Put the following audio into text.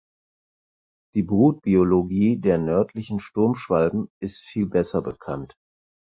Die Brutbiologie der Nördlichen Sturmschwalben ist viel besser bekannt.